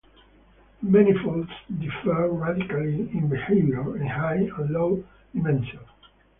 Manifolds differ radically in behavior in high and low dimension.